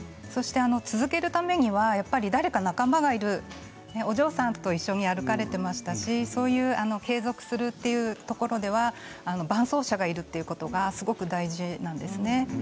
続けるためには誰か仲間がいるお嬢さんと一緒に歩かれていましたしそういう継続するというところでは伴走者がいるということがすごく大事なんです。